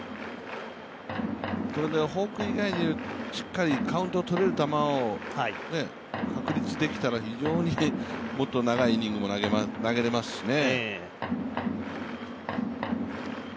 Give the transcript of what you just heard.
フォーク以外にしっかりカウント取れる球を確立できたら非常に、もっと長いイニングも投げられますしね。